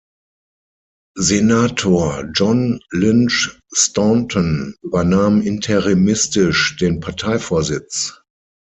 Senator John Lynch-Staunton übernahm interimistisch den Parteivorsitz.